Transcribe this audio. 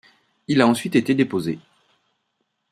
Il a ensuite été déposé.